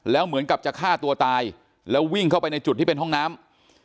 แล้วเหมือนกับจะฆ่าตัวตายแล้ววิ่งเข้าไปในจุดที่เป็นห้องน้ำ